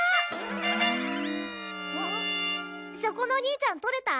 そこのお兄ちゃん捕れた？